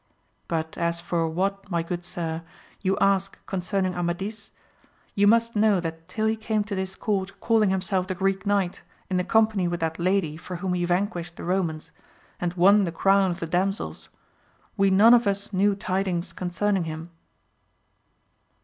But as for what, my good sir, you ask concerning Amadis, you must knaw that till he came to this court^ calling himself the Greek Knight in the company with that lady for whom he vanquished the Eomans, and won the crown of the damsels, we none of us knew tidings concerning him.